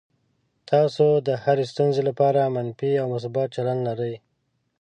تاسو د هرې ستونزې لپاره منفي او مثبت چلند لرئ.